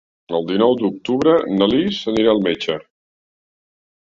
El nou d'octubre na Lis anirà al metge.